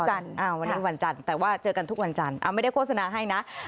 วันนี้วันจันทร์แต่ว่าเจอกันทุกวันจันทร์ไม่ได้โฆษณาให้นะ